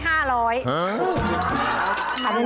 หึ